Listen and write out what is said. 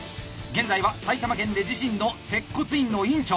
現在は埼玉県で自身の接骨院の院長。